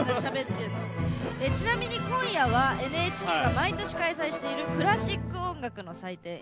ちなみに今夜はＮＨＫが毎年開催しているクラシック音楽の祭典